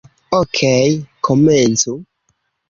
Okej, komencu.